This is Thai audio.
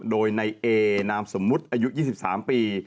โดยในเอนามสมมุติอายุ๒๓ปี